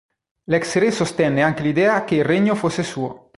L'ex re sostenne anche l'idea che il regno fosse suo.